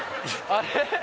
あれ？